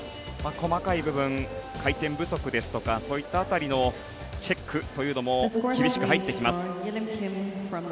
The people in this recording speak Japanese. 細かい部分、回転不足ですとかそういった辺りのチェックというのも厳しく入ってきます。